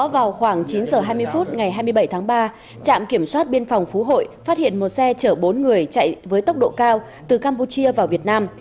vào khoảng chín h hai mươi phút ngày hai mươi bảy tháng ba trạm kiểm soát biên phòng phú hội phát hiện một xe chở bốn người chạy với tốc độ cao từ campuchia vào việt nam